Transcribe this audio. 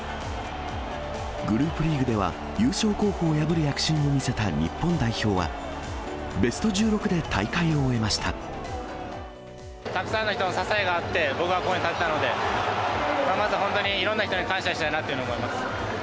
グループリーグでは、優勝候補を破る躍進を見せた日本代表は、たくさんの人の支えがあって、僕はここに立てたので、まずは本当にいろんな人に感謝したいなって思います。